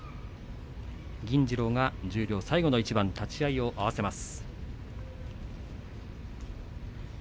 銀治郎が十両最後の一番を合わせます。